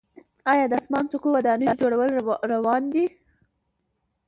آیا د اسمان څکو ودانیو جوړول روان نه دي؟